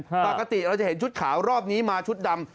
ปกติเราจะเห็นชุดขาวรอบนี้มาชุดดำ